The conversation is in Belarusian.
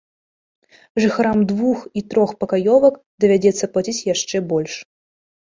Жыхарам двух- і трохпакаёвак давядзецца плаціць яшчэ больш.